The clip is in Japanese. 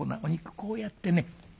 こうやってね